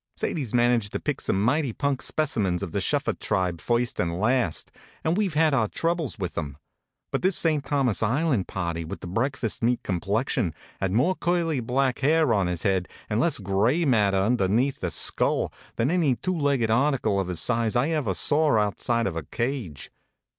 HONK, HONK! Sadie s managed to pick some mighty punk specimens of the shuff er tribe first and last, and we ve had our troubles with em; but this St. Thomas Island party with the break fast meat complexion had more curly black hair on his head, and less gray matter under neath the skull, than any two legged article of his size I ever saw outside of a cage.